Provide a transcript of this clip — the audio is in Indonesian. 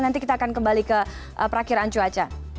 nanti kita akan kembali ke perakhiran cuaca